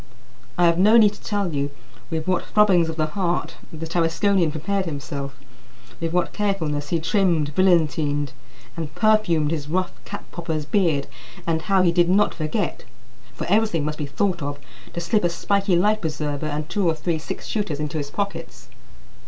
I have no need to tell you with what throbbings of the heart the Tarasconian prepared himself; with what carefulness he trimmed, brilliantined, and perfumed his rough cap popper's beard, and how he did not forget for everything must be thought of to slip a spiky life preserver and two or three six shooters into his pockets.